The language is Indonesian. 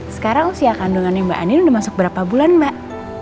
sekarang usia kandungannya mbak ani udah masuk berapa bulan mbak